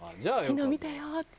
「昨日見たよ」って。